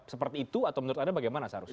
seperti itu atau menurut anda bagaimana seharusnya